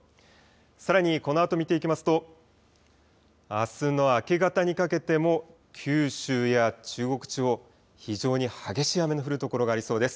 さらにこのあと見ていきますとあすの明け方にかけても九州や中国地方、非常に激しい雨の降る所がありそうです。